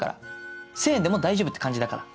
１０００円でも大丈夫って感じだから。